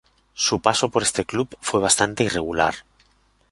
Su paso por este club fue bastante irregular.